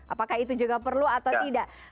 apakah itu juga perlu atau tidak